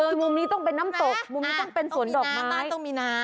คือมุมนี้ต้องเป็นน้ำตกมุมนี้ต้องเป็นสวนดอกไม้ใต้ต้องมีน้ำ